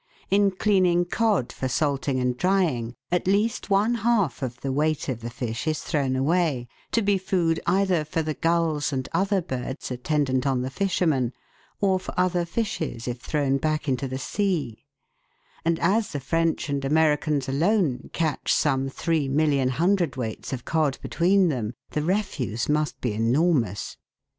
In cleaning cod for salting and drying, at least one half of the weight of the fish is thrown away, to be food either for the gulls and other birds attendant on the fishermen, or for other fishes if thrown back into the sea; and as the French and Americans alone catch some three million hundredweights of cod between them, the refuse must be enormous.